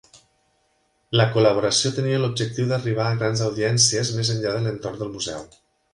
La col·laboració tenia l'objectiu d'arribar a grans audiències més enllà de l'entorn del museu.